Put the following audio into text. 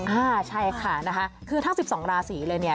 ก็ใช่ค่ะถ้า๑๒ราศีเลยเนี่ย